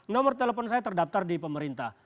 nomor telepon saya terdaftar di pemerintah